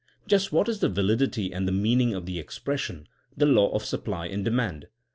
Just what is the va lidity and the meaning of the expression *^The law of supply and demand?